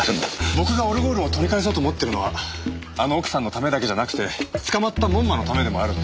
僕がオルゴールを取り返そうと思ってるのはあの奥さんのためだけじゃなくて捕まった門馬のためでもあるんです。